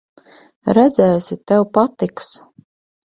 Redzēsi, tev patiks.